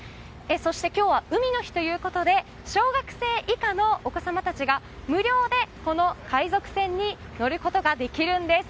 そして今日は海の日ということで小学生以下のお子様たちが無料でこの海賊船に乗ることができるんです。